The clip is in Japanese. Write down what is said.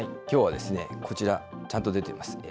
きょうはこちら、ちゃんと出ています。